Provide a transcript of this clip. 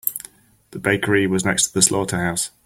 The bakery was next to the slaughterhouse.